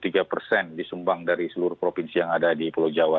jadi sumbang dari seluruh provinsi yang ada di pulau jawa